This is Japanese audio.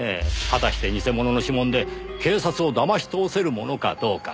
果たして偽物の指紋で警察を騙し通せるものかどうか。